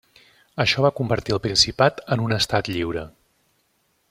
Això va convertir el Principat en un estat lliure.